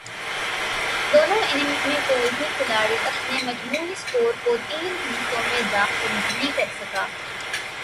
دونوں اننگز میں کوئی بھی کھلاڑی اپنے مجموعی سکور کو تین ہندسوں میں داخل نہیں کر سکا۔